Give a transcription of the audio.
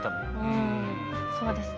うんそうですね。